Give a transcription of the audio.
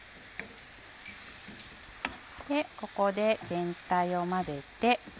ここで全体を混ぜて。